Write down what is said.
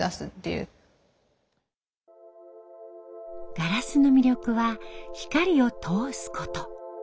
ガラスの魅力は光を通すこと。